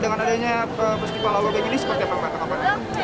dengan adanya festival alobank ini seperti apa